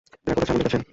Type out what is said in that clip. Record আছে আমাদের কাছে।